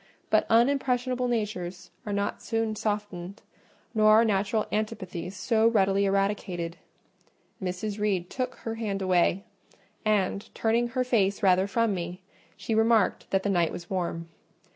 But unimpressionable natures are not so soon softened, nor are natural antipathies so readily eradicated. Mrs. Reed took her hand away, and, turning her face rather from me, she remarked that the night was warm.